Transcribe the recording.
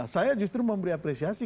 saya justru memberi apresiasi